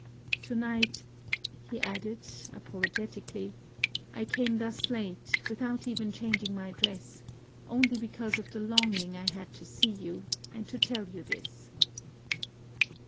To night," he added, apologetically, "I came thus late without even changing my dress only because of the longing I had to see you, and to tell you this."